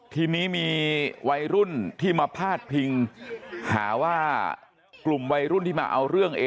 ทีนี้มีวัยรุ่นที่มาพาดพิงหาว่ากลุ่มวัยรุ่นที่มาเอาเรื่อง